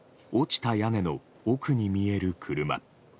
落ちた屋根の奥に見える車。